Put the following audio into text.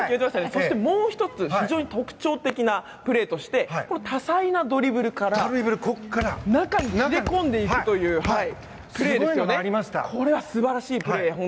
そしてもう１つ特徴的なプレーとして多彩なドリブルから中に切れ込んでいくというこれも素晴らしいプレー。